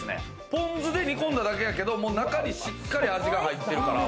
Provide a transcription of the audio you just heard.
ポン酢で煮込んだだけやけど、中にしっかり味が入ってるから。